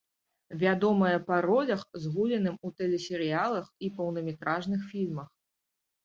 Вядомая па ролях, згуляным у тэлесерыялах і поўнаметражных фільмах.